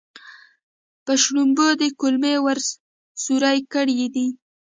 په شړومبو دې کولمې ور سورۍ کړې دي.